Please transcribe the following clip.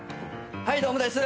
はいどうもです。